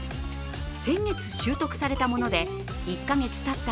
先月拾得されたもので１か月たった